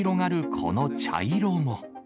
この茶色も。